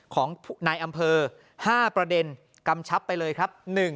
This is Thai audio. ของนายอำเภอ๕ประเด็นกำชับไปเลยครับ